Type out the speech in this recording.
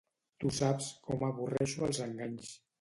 Tu saps com avorreixo els enganys.